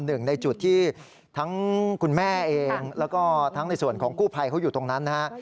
หนึ่งในจุดที่ทั้งคุณแม่เองแล้วก็ทั้งในส่วนของกู้ภัยเขาอยู่ตรงนั้นนะฮะ